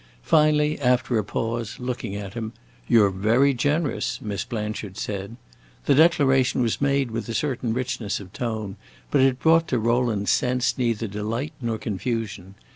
Finally, after a pause, looking at him, "You 're very generous," Miss Blanchard said. The declaration was made with a certain richness of tone, but it brought to Rowland's sense neither delight nor confusion.